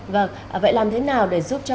vâng vậy làm thế nào để giúp cho